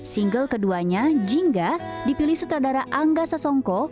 single keduanya jingga dipilih sutradara angga sasongko